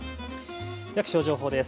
では気象情報です。